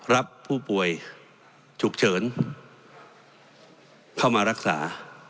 รับผู้ป่วยฉุกเฉินเข้ามารักษา